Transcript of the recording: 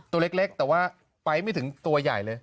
ตัวเล็กแต่ว่าไปไม่ถึงตัวใหญ่เลย